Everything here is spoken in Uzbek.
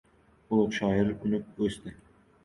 Ulug‘ shoir unib-o‘sdi!